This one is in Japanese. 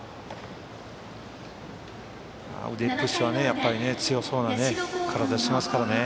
腕っぷしは強そうな体をしてますからね。